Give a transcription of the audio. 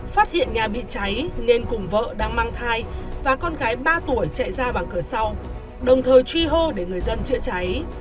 phát hiện nhà bị cháy nên cùng vợ đang mang thai và con gái ba tuổi chạy ra bảng cửa sau đồng thời truy hô để người dân chữa cháy